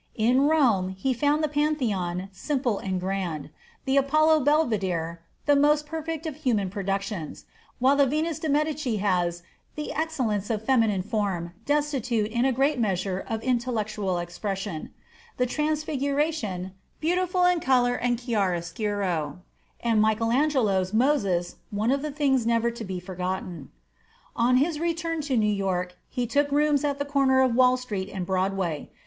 In Rome, he found the Pantheon "simple and grand"; the Apollo Belvidere "the most perfect of human productions," while the Venus de Medici has "the excellence of feminine form, destitute in a great measure of intellectual expression"; the "Transfiguration," "beautiful in color and chiaroscuro," and Michael Angelo's "Moses," "one of the things never to be forgotten." On his return to New York he took rooms at the corner of Wall Street and Broadway.